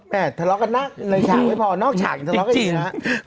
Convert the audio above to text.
แม่ทะเลาะกันหน้าในฉากไว้พอนอกฉากทะเลาะกันอีกแล้ว